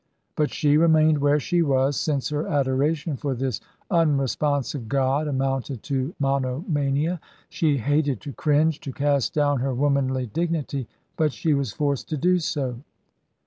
But she remained where she was, since her adoration for this unresponsive god amounted to monomania. She hated to cringe, to cast down her womanly dignity; but she was forced to do so.